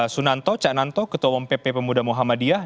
sunanto cak nanto ketua umum pp pemuda muhammadiyah